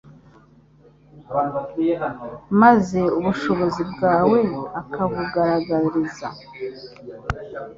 maze ubushobozi bwawe ukabugaragariza